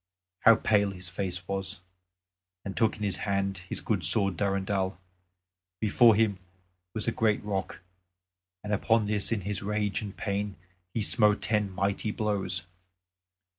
how pale his face was! and took in his hand his good sword Durendal. Before him was a great rock and on this in his rage and pain he smote ten mighty blows.